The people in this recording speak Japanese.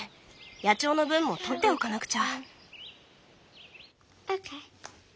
野鳥の分も取っておかなくちゃ。